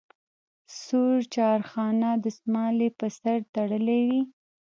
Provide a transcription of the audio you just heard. سور چارخانه دستمال یې په سر تړلی وي.